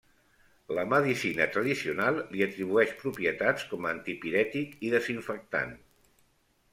La medicina tradicional li atribueix propietats com a antipirètic i desinfectant.